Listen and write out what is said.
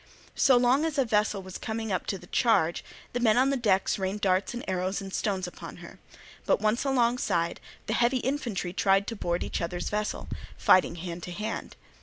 So long as a vessel was coming up to the charge the men on the decks rained darts and arrows and stones upon her; but once alongside, the heavy infantry tried to board each other's vessel, fighting hand to hand.